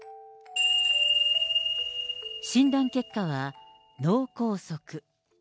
診断結果は脳梗塞。